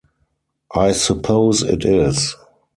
I suppose it is.